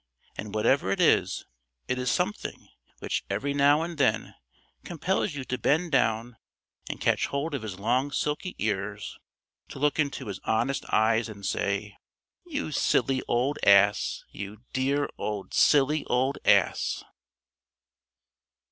And whatever it is, it is something, which every now and then compels you to bend down and catch hold of his long silky ears, to look into his honest eyes and say "You silly old ass! You dear old silly old ass!"